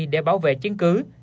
để bảo vệ chiến cứ